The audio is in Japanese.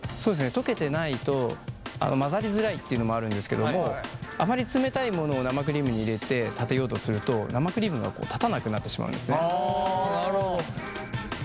溶けてないと混ざりづらいっていうのもあるんですけどもあまり冷たいものを生クリームに入れて立てようとすると溶かすのは混ぜる目安は？